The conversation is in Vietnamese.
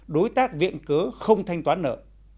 đối tác viện cớ không thanh toán nợ